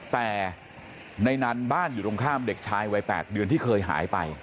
แต่ในนั้นบ้านอยู่ตรงข้ามเด็กชายวัย๘เดือนที่เคยหายไป